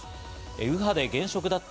右派で現職だった